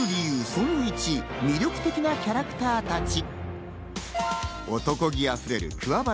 その１、魅力的なキャラクターたち。